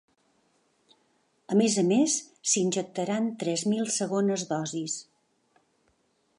A més a més, s’injectaran tres mil segones dosis.